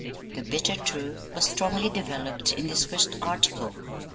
The bitter truth was strongly developed in this first article.